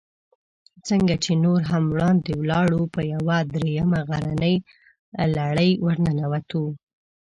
څنګه چې نور هم وړاندې ولاړو، په یوه درېیمه غرنۍ لړۍ ورننوتو.